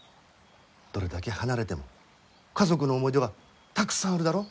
どれだけ離れても家族の思い出がたくさんあるだろ。